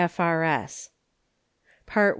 D. F. R. S._ PART I.